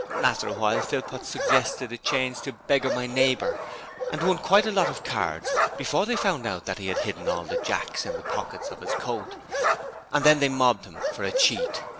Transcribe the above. After a while Philpot suggested a change to 'Beggar my neighbour', and won quite a lot of cards before they found out that he had hidden all the jacks in the pocket of his coat, and then they mobbed him for a cheat.